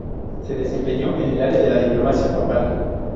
Se desempeñó en el área de la diplomacia papal.